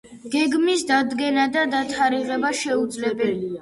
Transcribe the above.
გეგმის დადგენა და დათარიღება შეუძლებელია.